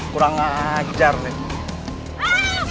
kurang ajar nenek